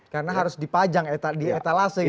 karena harus dipajang di etalase gitu pak